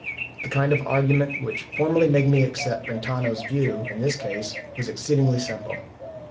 The kind of argument which formerly made me accept Brentano's view in this case was exceedingly simple.